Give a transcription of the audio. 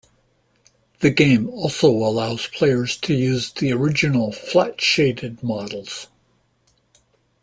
The game also allows players to use the original flat-shaded models.